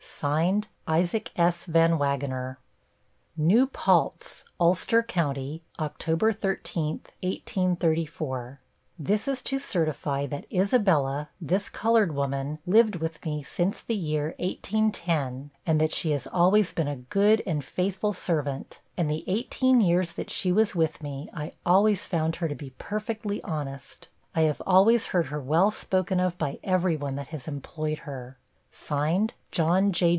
ISAAC S. VAN WAGENEN NEW PALTZ, ULSTER Co., Oct. 13th, 1834 This is to certify, that Isabella, this colored woman, lived with me since the year 1810, and that she has always been a good and faithful servant; and the eighteen years that she was with me, I always found her to be perfectly honest. I have always heard her well spoken of by every one that has employed her. JOHN J.